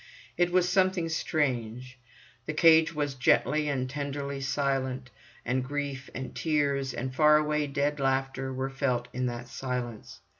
It was something strange. The cage was gently and tenderly silent; and grief and tears, and far away dead laughter were felt in that silence.